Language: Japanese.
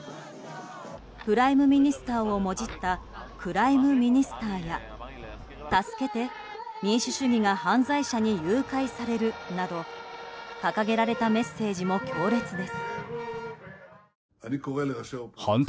プライムミニスターをもじったクライムミニスターや「助けて！民主主義が犯罪者に誘拐される！」など掲げられたメッセージも強烈です。